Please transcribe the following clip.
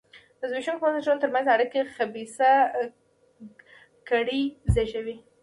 د زبېښونکو بنسټونو ترمنځ اړیکه خبیثه کړۍ زېږوي.